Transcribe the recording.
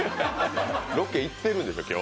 ロケ行ってるんでしょう？